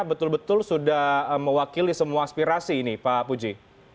betul betul sudah mewakili semua aspirasi ini pak puji